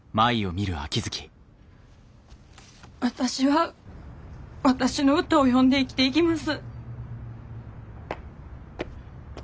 私は私の歌を詠んで生きていきます。